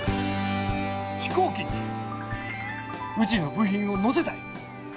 飛行機にうちの部品を乗せたい。